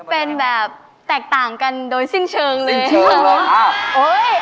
เป็นแบบแตกต่างกันโดยสิ้นเชิงเลยสิ้นเชิงเลยครับ